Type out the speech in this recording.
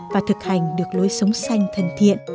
và thực hành được lối sống xanh thân thiện